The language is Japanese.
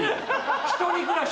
「一人暮らし」